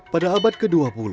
pada abad ke dua puluh